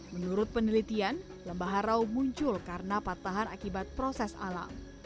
menurut penelitian lembah harau muncul karena patahan akibat proses alam